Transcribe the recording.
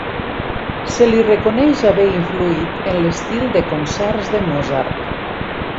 Se li reconeix haver influït en l"estil de concerts de Mozart.